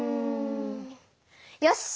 よし！